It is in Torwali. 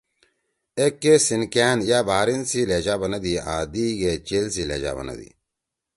ایک کے سینکأن یا بحرین لہجہ بنَدی آں دئی گے چیل سی لہجہ بنَدی۔